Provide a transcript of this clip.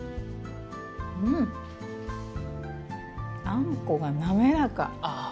あんこが滑らか。